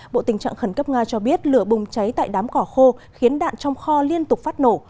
bộ tình trạng khẩn cấp nga cho biết lửa bùng cháy tại đám cỏ khô khiến đạn trong kho liên tục phát nổ